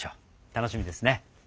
楽しみですね。